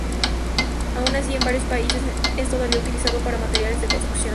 Aun así, en varios países es todavía utilizado para materiales de construcción.